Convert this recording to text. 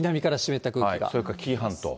それから紀伊半島。